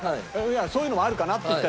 そういうのもあるかなって言った。